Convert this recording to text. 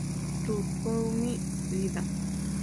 Tatsumi Iida